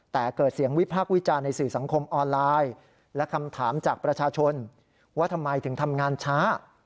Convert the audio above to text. แต่เกิดเสียงวิพากษ์วิจารณ์ในสื่อสังคมออนไลน์และคำถามจากประชาชนว่าทำไมถึงทำงานช้า